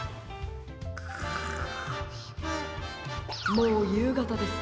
もうゆうがたです。